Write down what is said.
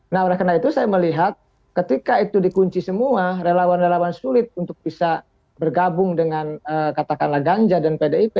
nah oleh karena itu saya melihat ketika itu dikunci semua relawan relawan sulit untuk bisa bergabung dengan katakanlah ganjar dan pdip